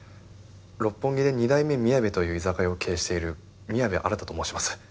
六本木で二代目みやべという居酒屋を経営している宮部新と申します。